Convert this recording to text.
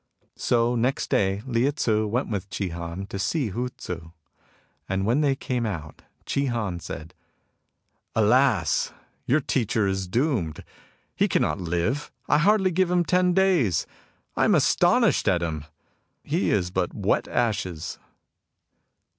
So next day Lieh Tzu went with Chi Han to see Hu Tzu, and when they came out Chi Han said :'' Alas ! your teacher is doomed. He can not live. I hardly give him ten days. I am astonished at him. He is but wet ashes."